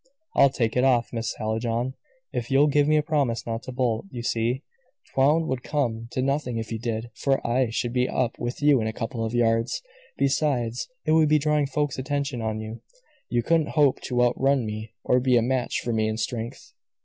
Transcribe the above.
"I'll take it off, Miss Hallijohn, if you'll give a promise not to bolt. You see, 'twould come to nothing if you did, for I should be up with you in a couple of yards; besides, it would be drawing folks' attention on you. You couldn't hope to outrun me, or be a match for me in strength."